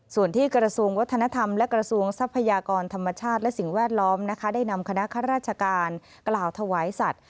ส่วนที่กระทรวงวัฒนธรรมและกระทรวงทรัพยากรธรรมชาติและสิ่งแวดล้อมนะคะได้นำคณะข้าราชการกล่าวถวายสัตว์